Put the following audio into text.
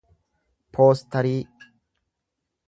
poostarii